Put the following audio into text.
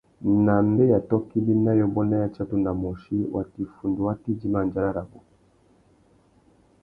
Nà mbeya tôkô ibî na yôbôt na yatsatu na môchï, watu iffundu wa tà idjima andjara rabú.